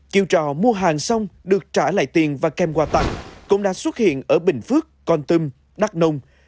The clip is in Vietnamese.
kiều trò mua hàng xong được trả lại tiền và kem quà tặng cũng đã xuất hiện ở bình phước con tâm đắk nông